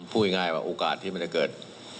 พูดง่ายว่าโอกาสที่มันจะเกิด